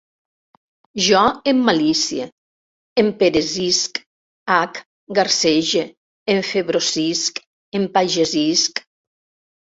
Jo emmalicie, emperesisc, hac, garsege, enfebrosisc, empagesisc